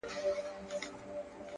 د ژوند ارزښت په ګټه رسولو کې دی